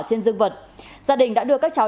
trên dương vật gia đình đã đưa các cháu